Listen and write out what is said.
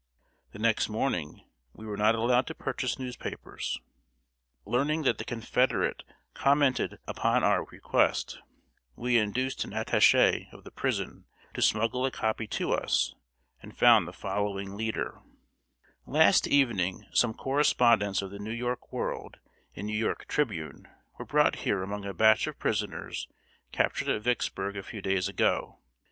The next morning we were not allowed to purchase newspapers. Learning that The Confederate commented upon our request, we induced an attaché of the prison to smuggle a copy to us, and found the following leader: "Last evening some correspondents of The New York World and New York Tribune were brought here among a batch of prisoners captured at Vicksburg a few days ago.